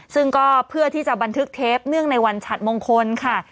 ซึ่งก็เพื่อที่จะบันทึกเทปเนื่องในวันฉัดมงคลค่ะ